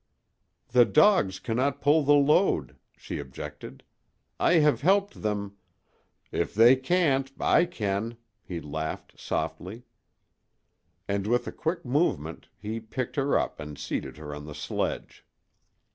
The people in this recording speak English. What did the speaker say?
"The dogs cannot pull the load," she objected. "I have helped them " "If they can't, I can," he laughed, softly; and with a quick movement he picked her up and seated her on the sledge.